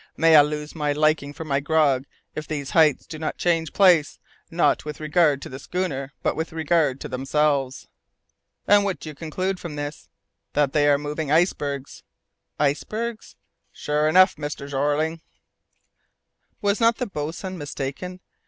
"May I lose my liking for my grog if these heights do not change place, not with regard to the schooner, but with regard to themselves!" "And what do you conclude from this?" "That they are moving icebergs." "Icebergs?" "Sure enough, Mr. Jeorling." Was not the boatswain mistaken?